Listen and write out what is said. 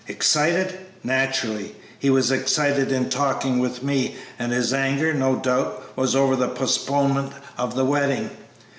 "Excited? Naturally; he was excited in talking with me, and his anger, no doubt, was over the postponement of the wedding.